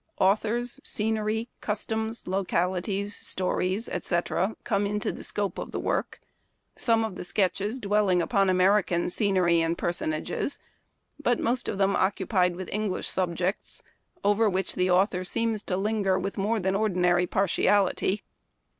Authors, scenery, customs, localities, stories, etc., come into the scope of the work — I some of the sketches dwelling upon American scenery and personages, but most of them occu Memoir of Washington Irving. 93 pied with English subjects, over which the author seems to linger with more than ordinary partiality.